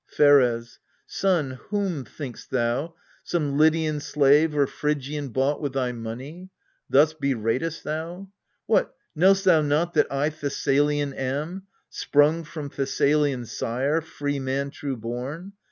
Pheres. Son, whom, thinkst thou some Lydian slave or Phrygian Bought with thy money ? thus beratest thou ? What, knowst thou not that I Thessalian am, Sprung from Thessalian sire, free man true born?